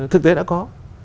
thực tế đã có